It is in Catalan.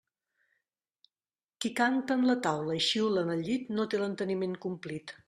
Qui canta en la taula i xiula en el llit no té l'enteniment complit.